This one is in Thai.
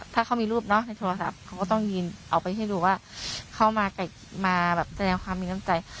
ถ้าเขามีรูปเนอะในโทรศัพท์เขาก็ต้องยืนเอาไปให้ดูว่าเขามาแบบแสดงความมีน้ำใจ